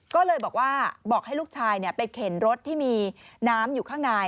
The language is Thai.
ก็เลยบอกว่าบอกให้ลูกชายไปเข็นรถที่มีน้ำอยู่ข้างใน